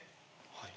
はい。